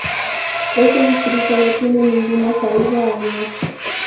Este distrito no tiene ninguna salida al mar.